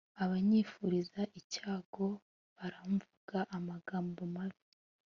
abanyifuriza icyago baramvuga amagambo mabi